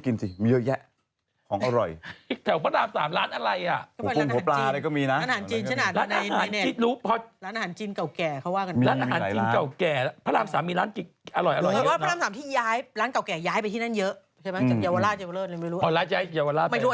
ก็เลยก็เป็นการตอบสู้เลยเธอ